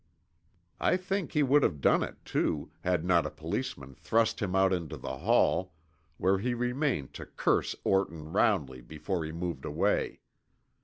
I think he would have done it, too, had not a policeman thrust him out into the hall, where he remained to curse Orton roundly before he moved away.